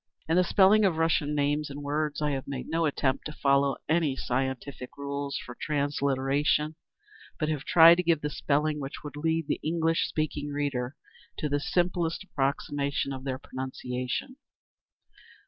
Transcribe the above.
In the spelling of Russian names and words, I have made no attempt to follow any scientific rules for transliteration, but have tried to give the spelling which would lead the English speaking reader to the simplest approximation of their pronunciation.